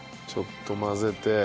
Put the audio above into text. ちょっと混ぜて。